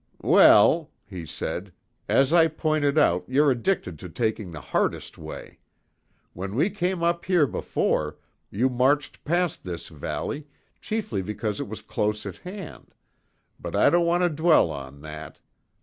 "Well," he said, "as I pointed out, you're addicted to taking the hardest way. When we came up here before, you marched past this valley, chiefly because it was close at hand; but I don't want to dwell on that.